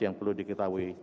yang perlu diketahui